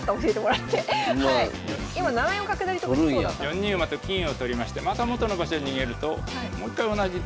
４二馬と金を取りましてまた元の場所に逃げるともう一回同じ手がきますね。